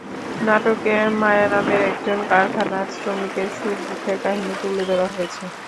নাটকে মায়া নামের একজন কারখানার শ্রমিকের সুখ-দুঃখের কাহিনি তুলে ধরা হয়েছে।